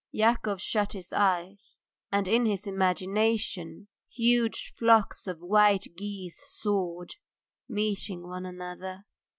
Yakov shut his eyes, and in his imagination huge flocks of white geese soared, meeting one another.